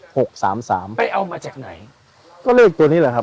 หกสามสามไปเอามาจากไหนก็เริ่มตัวนี้แหละครับ